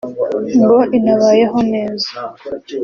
ngo inabayeho neza